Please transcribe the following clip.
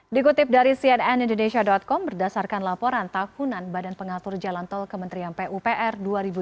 dikutip dari cnn indonesia com berdasarkan laporan tahunan badan pengatur jalan tol kementerian pupr dua ribu delapan belas